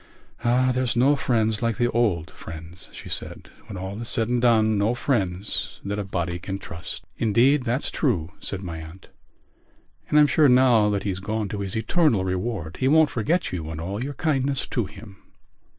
"Ah, there's no friends like the old friends," she said, "when all is said and done, no friends that a body can trust." "Indeed, that's true," said my aunt. "And I'm sure now that he's gone to his eternal reward he won't forget you and all your kindness to him."